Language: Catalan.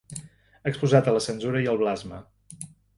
Exposat a la censura i al blasme.